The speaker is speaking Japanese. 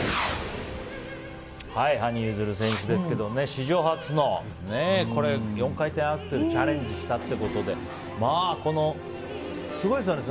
羽生結弦選手ですけど史上初の４回転アクセルにチャレンジしたということですごいですよね。